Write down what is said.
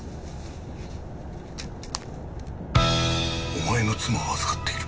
「お前の妻は預かっている」